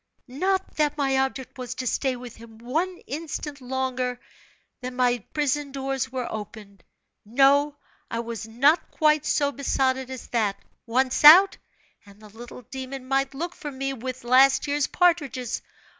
Not that my object was to stay with him one instant longer her my prison doors were opened; no, I was not quite so besotted as that once out, and the little demon might look for me with last year's partridges.